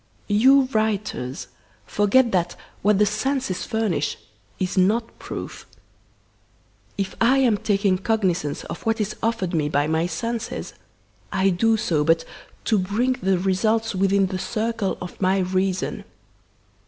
You writers forget that what the senses furnish is not proof. If I am taking cognisance of what is offered me by my senses I do so but to bring the results within the circle of my reason.